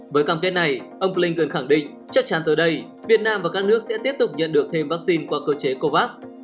với cam kết này ông blinken khẳng định chắc chắn tới đây việt nam và các nước sẽ tiếp tục nhận được thêm vaccine qua cơ chế covax